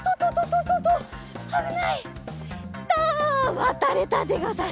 わたれたでござる。